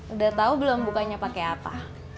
udah tau belum bukanya pake apa